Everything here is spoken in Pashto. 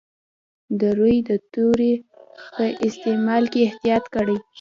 د روي د توري په استعمال کې احتیاط کړی.